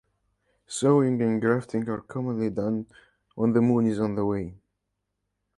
Sowing and grafting are commonly done when the moon is on the wane.